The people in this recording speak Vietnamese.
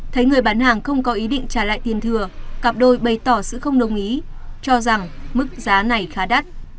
thấy người bán hàng không có ý định trả lại tiền thừa cặp đôi bày tỏ sự không đồng ý cho rằng mức giá này khá đắt